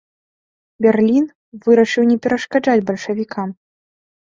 Берлін вырашыў не перашкаджаць бальшавікам.